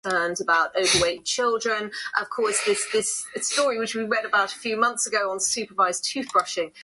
Other than his academic publications, Pachauri also writes poetry and fiction.